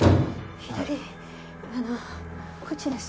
左あのこっちです